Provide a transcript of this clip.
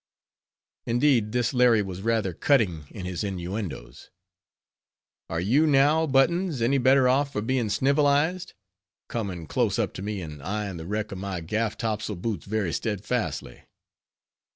Indeed, this Larry was rather cutting in his innuendoes. "Are you now, Buttons, any better off for bein' snivelized?" coming close up to me and eying the wreck of my gaff topsail boots very steadfastly.